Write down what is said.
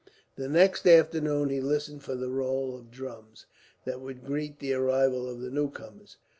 The next afternoon he listened for the roll of drums that would greet the arrival of the newcomers.